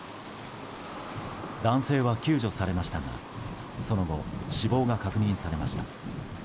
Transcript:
男性は救助されましたがその後、死亡が確認されました。